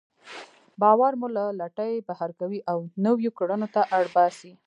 باور مو له لټۍ بهر کوي او نويو کړنو ته اړ باسي.